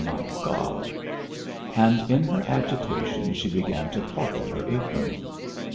My God!" And in her agitation she began to pluck at her apron.